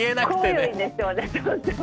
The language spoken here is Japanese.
濃いんですよね。